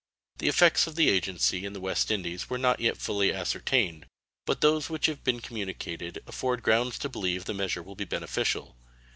The effects of the agency in the West Indies are not yet fully ascertained, but those which have been communicated afford grounds to believe the measure will be beneficial.